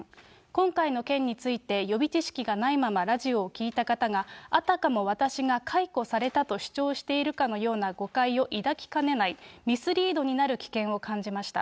今回の件について予備知識がないままラジオを聴いた方が、あたかも私が解雇されたと主張しているかのような誤解を抱きかねない、ミスリードになる危険を感じました。